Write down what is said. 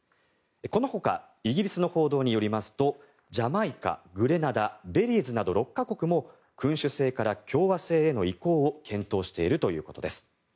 このほかイギリスの報道によりますとジャマイカ、グレナダベリーズなど６か国も君主制から共和制への移行を検討しているということです。